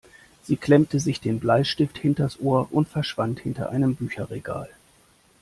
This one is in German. Sie klemmte sich den Bleistift hinters Ohr und verschwand hinter einem Bücherregal.